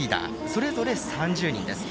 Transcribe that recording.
それぞれ３０人です。